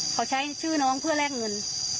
เขาใช้ชื่อน้องเพื่อแลกเงิน